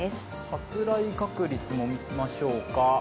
発雷確率も見ましょうか。